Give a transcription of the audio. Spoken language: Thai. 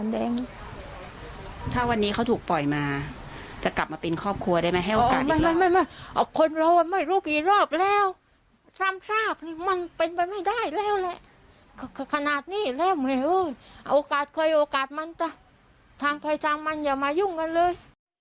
ขนาดนี้แล้วมีโอโหโอโอโกรธค่อยโอโกรธมนต่างไขจำมันอย่ามายุ่งกันเลย